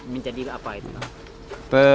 menjadi apa itu